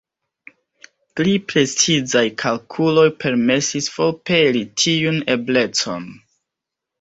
Pli precizaj kalkuloj permesis forpeli tiun eblecon.